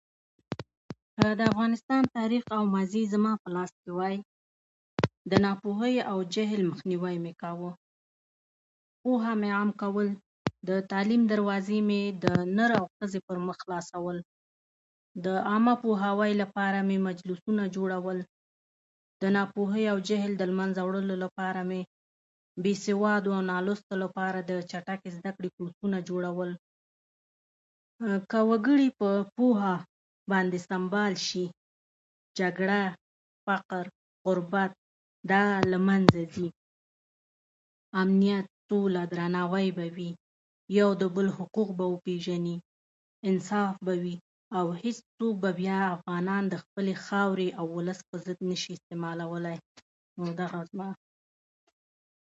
د افغانستان تاريخ او ماضي زما په لاس کې وای د ناپوهئ او جهل مخنیوی مې کاوه پوهه مې عامه کول د تعلیم دروازې مې د نر او ښځي پرمخ خلاصول د عامه پوهاوی لپاره مې مجلسونه جوړول د ناپوهئ او جهل د له منځه وړلو لپاره مې بیسوادو او نالوستو لپاره د چټکي زده کړي کورسونه جوړول که وکړي په پوهه باندې سمبال شي جګړه، فقر ،غربت دا له منځه ځي امنیت، سوله ،درناوی به وي یو د بل حقوق به وپيژني انصاف به وي او هیڅوک به بیا افغانان د خپلې خاورې او ولس په ضد نشي استعمالولی نو دغه زما